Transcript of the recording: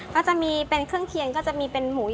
ก็จะมีเป็นเครื่องเคียงก็จะมีเป็นหมู